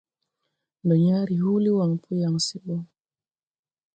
Ndo yãã re huuli waŋ po yaŋ se bo.